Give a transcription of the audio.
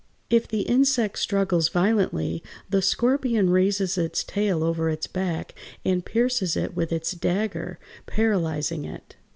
If the insect struggles violently, the scorpion raises its tail over its back and pierces it with its dagger, paralyzing it.